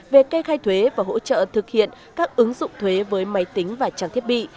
về kê khai thuế và hỗ trợ thực hiện các ứng dụng thuế với máy tính và trang thiết bị